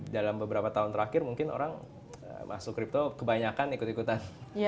dalam beberapa tahun terakhir mungkin orang masuk kripto kebanyakan ikut ikutan